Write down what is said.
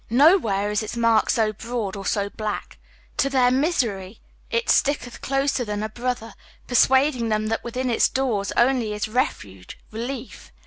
Nowhere is its mark so broad or so black. To their misery it sticketh closer than a brother, persuading them that within its doors only is refuge, relief.